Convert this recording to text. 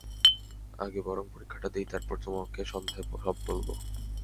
আগে বরং পরীক্ষাটা দেই তারপর তোমাকে সন্ধ্যায় সব বলব।